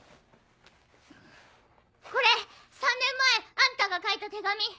これ３年前あんたが書いた手紙。